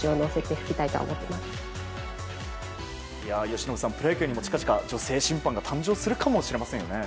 由伸さん、プロ野球にも近々女性審判が誕生するかもしれませんよね。